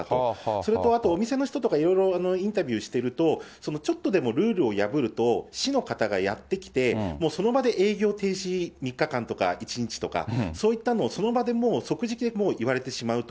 それとあと、お店の人とか、いろいろインタビューしてると、そのちょっとでもルールを破ると、市の方がやって来て、もうその場で営業停止３日間とか１日とか、そういったのをその場でもう即時で言われてしまうと。